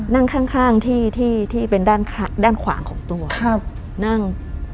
นั่งข้างที่เป็นด้านขวางของตัวนั่ง